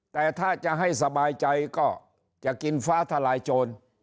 แต่ถ้าจะให้สบายใจก็จะกินฟ้าทลายโจร